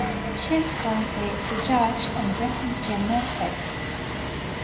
She is currently a judge in rhythmic gymnastics.